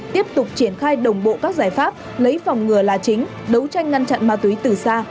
tiếp tục triển khai đồng bộ các giải pháp lấy phòng ngừa là chính đấu tranh ngăn chặn ma túy từ xa